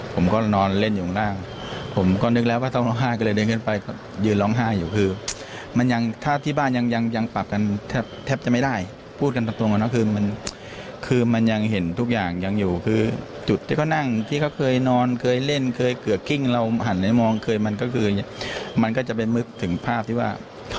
ผมก็นอนเล่นอยู่ข้างล่างผมก็นึกแล้วว่าเขาร้องไห้ก็เลยเดินขึ้นไปยืนร้องไห้อยู่คือมันยังถ้าที่บ้านยังยังปรับกันแทบแทบจะไม่ได้พูดกันตรงนะคือมันคือมันยังเห็นทุกอย่างยังอยู่คือจุดที่เขานั่งที่เขาเคยนอนเคยเล่นเคยเกือกกิ้งเราหันมองเคยมันก็คือมันก็จะเป็นนึกถึงภาพที่ว่า